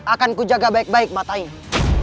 akanku jaga baik baik matanya